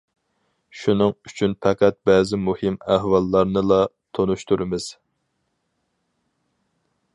شۇنىڭ ئۈچۈن پەقەت بەزى مۇھىم ئەھۋاللارنىلا تونۇشتۇرىمىز.